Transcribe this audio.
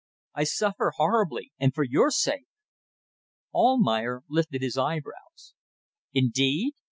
I suffer horribly and for your sake." Almayer lifted his eyebrows. "Indeed!